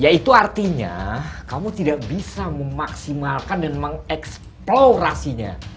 ya itu artinya kamu tidak bisa memaksimalkan dan mengeksplorasinya